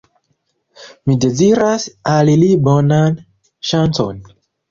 Mi deziras al li bonan ŝancon!